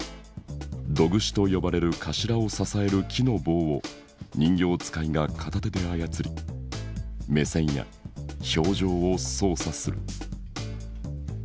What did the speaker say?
胴串と呼ばれる首を支える木の棒を人形遣いが片手で操り目線や表情を操作する。